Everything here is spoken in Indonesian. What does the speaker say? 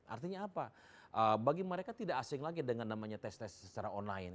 artinya apa bagi mereka tidak asing lagi dengan namanya tes tes secara online